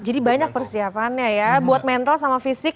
jadi banyak persiapannya ya untuk mental dan fisik